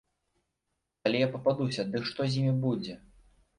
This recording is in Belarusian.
Калі я пападуся, дык што з імі будзе?